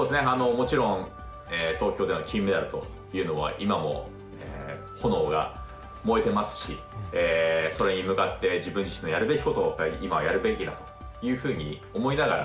もちろん東京での金メダルというのは今も炎が燃えてますしそれに向かって自分自身のやるべきことを今やるべきだというふうに思いながら。